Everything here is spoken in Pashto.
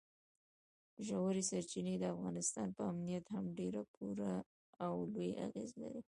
ژورې سرچینې د افغانستان په امنیت هم ډېر پوره او لوی اغېز لري.